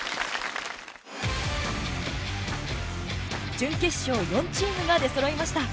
準決勝４チームが出そろいました。